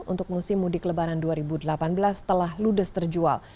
untuk musim mudik lebaran dua ribu delapan belas telah ludes terjual